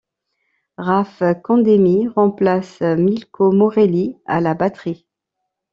Raf Condemi remplace Milko Morelli à la batterie.